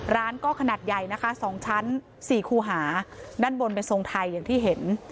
ร้านก็ขนาดใหญ่นะคะ๒ชั้น๔คูหาด้านบนเป็นทรงไทยอย่างที่เห็น